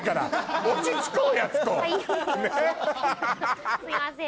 ハイすいません。